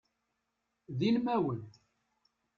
D ilmawen.